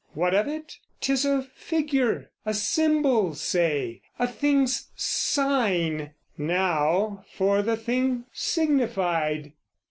What of it? 'Tis a figure, a symbol, say; A thing's sign: now for the thing signified.